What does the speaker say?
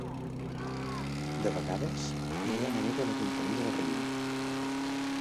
De vegades, no hi ha manera de contenir el riu.